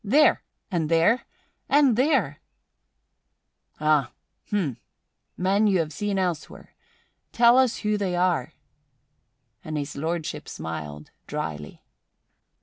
There! And there! And there!" "Ah! Hm! Men you have seen elsewhere! Tell us who they are." And His Lordship smiled dryly.